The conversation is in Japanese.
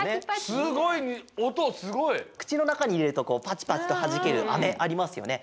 すごい音すごい！くちのなかにいれるとパチパチとはじけるアメありますよね。